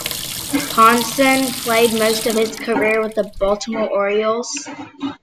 Ponson played most of his career with the Baltimore Orioles.